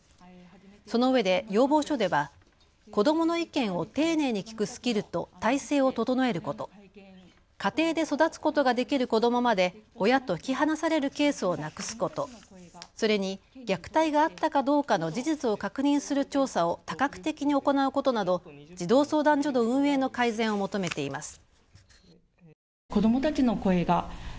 そのうえで要望書では子どもの意見を丁寧に聴くスキルと体制を整えること、家庭で育つことができる子どもまで親と引き離されるケースをなくすこと、それに虐待があったかどうかの事実を確認する調査を多角的に行うことなど児童相談所の運営の改善を求めています。